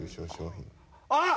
あっ！